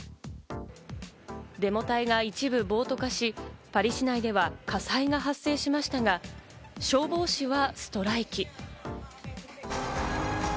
デモ隊が一部暴徒化し、パリ市内では火災が発生しましたが、消防士はストライキ。